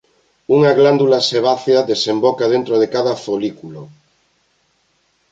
Unha glándula sebácea desemboca dentro de cada folículo.